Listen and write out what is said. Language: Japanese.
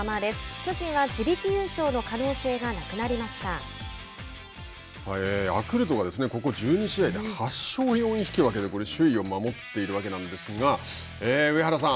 巨人は自力優勝の可能性がヤクルトがここ１２試合で８勝４引き分けで首位を守っているわけなんですが上原さん